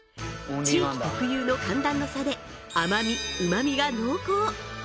地域特有の寒暖の差で甘み旨みが濃厚